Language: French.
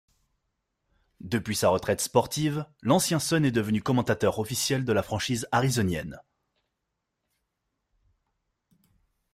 Depuis sa retraite sportive, l’ancien Sun est devenu commentateur officiel de la franchise arizonienne.